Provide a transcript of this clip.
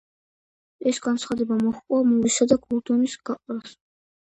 ეს განცხადება მოჰყვა მურისა და გორდონის გაყრას.